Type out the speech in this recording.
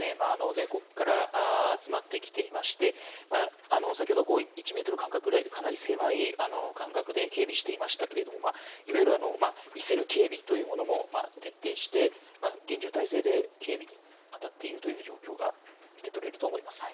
全国から集まってきていまして、先ほど１メートル間隔ぐらい、かなり狭い間隔で警備していましたけれども、いわゆる見せる警備というものも徹底して、厳重態勢で警備に当たっているという状況が見て取れると思います。